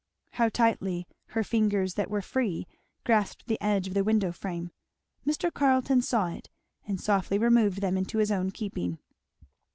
How tightly her fingers that were free grasped the edge of the window frame. Mr. Carleton saw it and softly removed them into his own keeping.